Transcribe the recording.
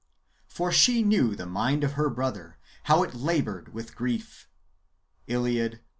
For she knew the mind of her brother, how it laboured with grief." — II.